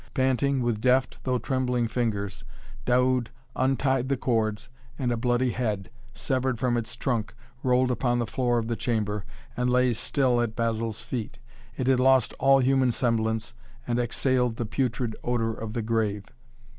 Panting, with deft, though trembling fingers, Daoud untied the cords and a bloody head, severed from its trunk, rolled upon the floor of the chamber, and lay still at Basil's feet. It had lost all human semblance and exhaled the putrid odor of the grave.